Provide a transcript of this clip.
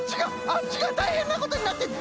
あっちがたいへんなことになってる！